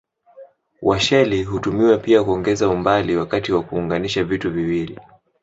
Washeli hutumiwa pia kuongeza umbali wakati wa kuunganisha vitu viwili.